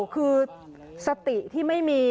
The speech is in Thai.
คือสติที่ไม่มี